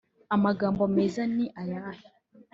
amagambo meza ni ayahe